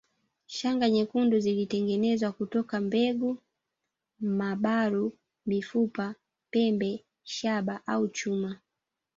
Shanga nyekundu zilitengenezwa kutoka mbegu maburu mifupa pembe shaba au chuma